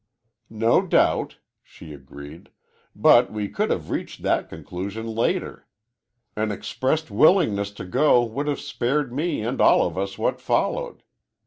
"No doubt," she agreed, "but we could have reached that conclusion later. An expressed willingness to go would have spared me and all of us what followed.